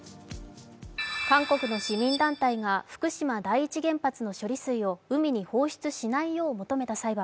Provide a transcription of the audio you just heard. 韓国の市民団体が福島第一原発の処理水を海に放出しないよう求めた裁判。